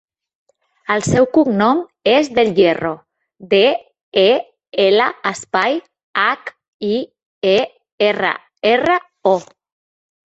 El seu cognom és Del Hierro: de, e, ela, espai, hac, i, e, erra, erra, o.